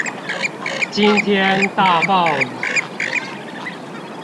今天大暴雨